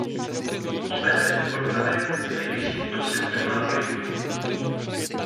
Obec je v Korutanech s nejvyšším podílem evangelíků.